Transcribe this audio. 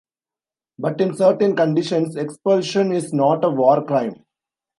But in certain conditions, expulsion is not a war crime.